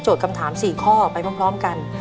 คำถาม๔ข้อไปพร้อมกัน